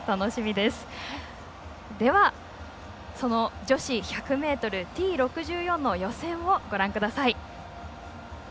では、その女子１００ｍＴ６４の予選をご覧ください。